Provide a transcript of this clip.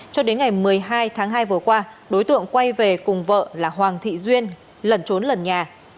cho đến ngày một mươi hai tháng hai vừa qua đối tượng quay về cùng vợ là hoàng thị duyên lẩn trốn lần nhà